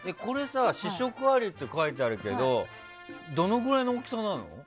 試食ありって書いてあるけどどのくらいの大きさなの？